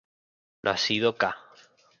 Nacido ca.